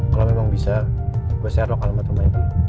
kalau memang bisa gue serok alamat rumahnya dia